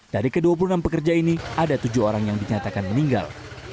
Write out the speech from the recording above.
dari ke dua puluh enam pekerja ini ada tujuh orang yang dinyatakan meninggal